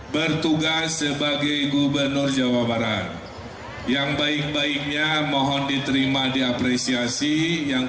bertugas sebagai gubernur jawa barat yang baik baiknya mohon diterima diapresiasi yang